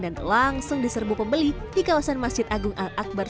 dan langsung diserbu pembeli di kawasan masjid agung al akbar